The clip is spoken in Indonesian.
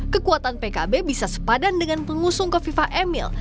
kekuatan pkb bisa sepadan dengan pengusung kofifa emil